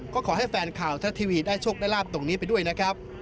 ก็ขอให้แฟนข่าวทะทีวีได้โชคได้ลาบตรงนี้ไปด้วยนะครับ